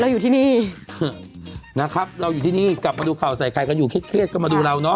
อยู่ที่นี่นะครับเราอยู่ที่นี่กลับมาดูข่าวใส่ไข่กันอยู่เครียดก็มาดูเราเนาะ